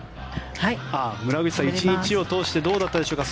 村口さん、１日を通してどうだったでしょうか。